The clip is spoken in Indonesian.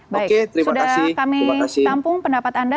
baik sudah kami tampung pendapat anda